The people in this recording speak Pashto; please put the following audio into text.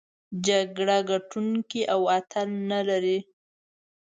جګړه ګټوونکی او اتل نلري.